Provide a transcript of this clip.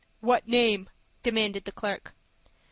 "What name?" demanded the clerk.